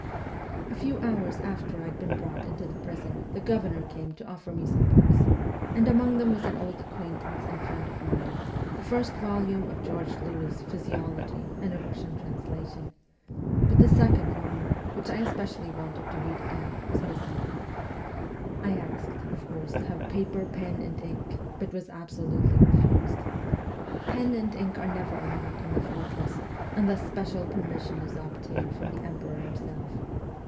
A few hours after I had been brought into the prison the governor came to offer me some books, and among them was an old acquaintance and friend of mine, the first volume of George Lewes's 'Physiology,' in a Russian translation ; but the second volume, which I especially wanted to read again, was missing. I asked, of course, to have paper, pen, and ink, but was absolutely refused. Pen and ink are never allowed in the fortress, unless special permission is obtained from the Emperor himself.